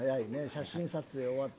写真撮影終わって。